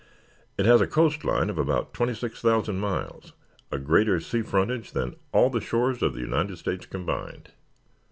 "It has a coast line of about twenty six thousand miles, a greater sea frontage than all the shores of the United States combined."